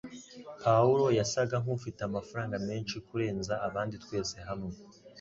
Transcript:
Pawulo yasaga nkufite amafaranga menshi kurenza abandi twese hamwe